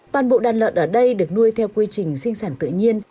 toàn bộ đàn lợn ở đây được nuôi theo quy trình sinh sản tự nhiên